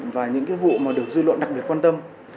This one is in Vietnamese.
và những cái vụ mà được dư luận đặc biệt quan tâm